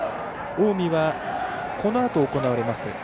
近江はこのあと行われます